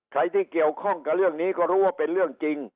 ใครที่เกี่ยวข้องกับเรื่องนี้ก็รู้ว่าเป็นเรื่องจริง